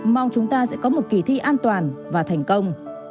mong chúng ta sẽ có một kỳ thi an toàn và thành công